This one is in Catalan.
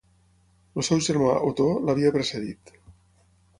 El seu germà Otó l'havia precedit.